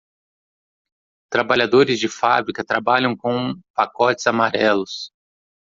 Trabalhadores de fábrica trabalham com pacotes amarelos.